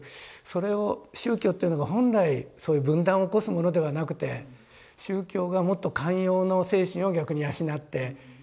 それを宗教っていうのが本来そういう分断を起こすものではなくて宗教がもっと寛容の精神を逆に養っていく。